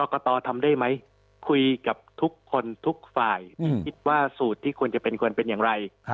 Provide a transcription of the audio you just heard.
กตทำได้ไหมคุยกับทุกคนทุกฝ่ายที่คิดว่าสูตรที่ควรจะเป็นควรเป็นอย่างไร